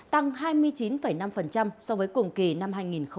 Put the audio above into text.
tăng hai mươi chín năm so với cùng kỳ năm hai nghìn một mươi tám